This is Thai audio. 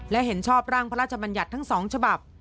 และเห็นชอบร่างพระราชบัญญัติทั้ง๒ฉบับ